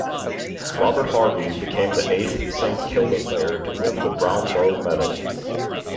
Robert Harvey became the eighth Saint Kilda player to win the Brownlow Medal.